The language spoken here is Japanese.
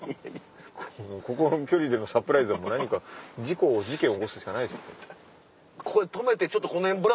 ここの距離でのサプライズはもう何か事故を事件を起こすしかないです。